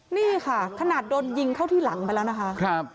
นี่ขนาดโดนยิงเข้าที่หลังแบบนี้แน่